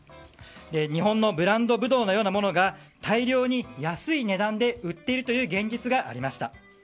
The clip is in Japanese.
日本のブランドブドウのようなものが大量に安い値段で売っているという現実がありました。